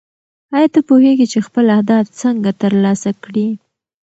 ایا ته پوهېږې چې خپل اهداف څنګه ترلاسه کړې؟